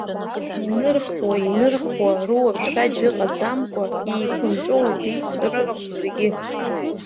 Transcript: Инырхуа, инырхуа, руа-ршәаџь ыҟаӡамкәа, еиқәынҵәо убеит рырахә зегьы.